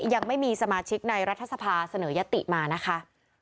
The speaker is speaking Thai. ยังไม่มีสมาชิกในรัฐสภาเสนอยติมานะคะ